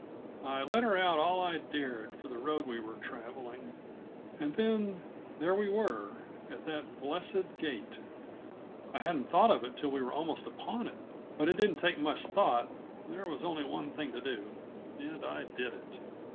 I let her out all I dared for the road we were traveling; and then there we were, at that blessed gate. I hadn't thought of it till we were almost upon it, but it didn't take much thought; there was only one thing to do, and I did it.